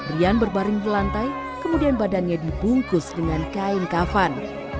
rian berbaring di lantai kemudian badannya dibungkus dengan kain kafan